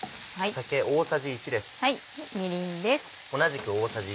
みりんです。